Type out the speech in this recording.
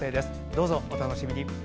どうぞお楽しみに。